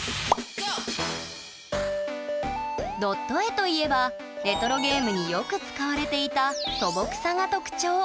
ドット絵といえばレトロゲームによく使われていた素朴さが特徴。